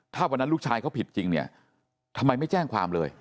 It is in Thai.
ถ้าวันนั้นลูกชายเขาผิดจริงเนี่ยทำไมไม่แจ้งความเลย